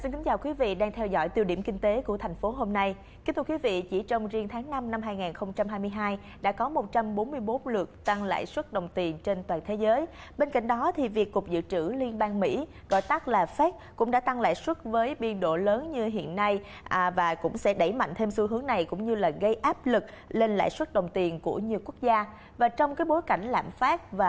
các bạn hãy đăng ký kênh để ủng hộ kênh của chúng mình nhé